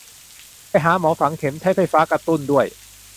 ไปหาหมอฝังเข็ม ใช้ไฟฟ้ากระตุ้นด้วย